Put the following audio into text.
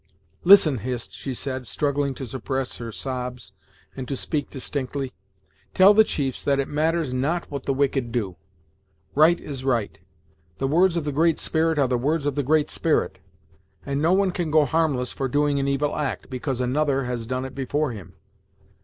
"Listen, Hist," she said, struggling to suppress her sobs, and to speak distinctly "Tell the chiefs that it matters not what the wicked do right is right The words of The Great Spirit are the words of The Great Spirit and no one can go harmless for doing an evil act, because another has done it before him.